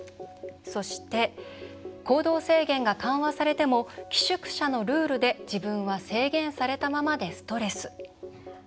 そして、行動制限が緩和されても寄宿舎のルールで自分は制限されたままでストレス。